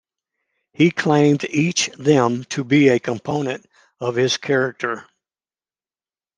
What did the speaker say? He claimed each them to be a component of his character.